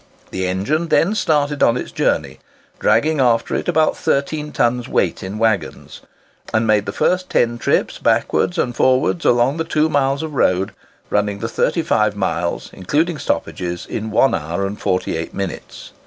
The engine then started on its journey, dragging after it about 13 tons weight in waggons, and made the first ten trips backwards and forwards along the two miles of road, running the 35 miles, including stoppages, in one hour and 48 minutes.